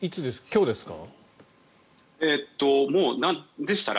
今日ですか？